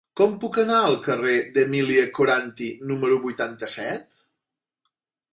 Com puc anar al carrer d'Emília Coranty número vuitanta-set?